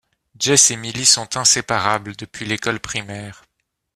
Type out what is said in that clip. Jess et Milly sont inséparables depuis l'école primaire.